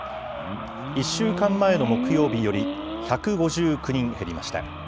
１週間前の木曜日より１５９人減りました。